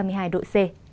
phía tây bắc bộ